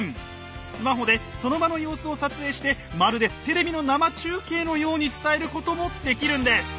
スマホでその場の様子を撮影してまるでテレビの生中継のように伝えることもできるんです。